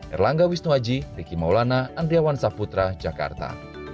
erlangga wisnuaji riki maulana andriawan saputra jakarta